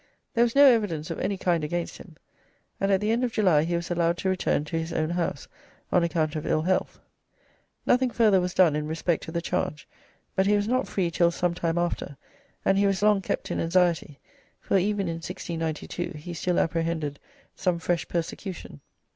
There was no evidence of any kind against him, and at the end of July he was allowed to return to his own house on account of ill health. Nothing further was done in respect to the charge, but he was not free till some time after, and he was long kept in anxiety, for even in 1692 he still apprehended some fresh persecution.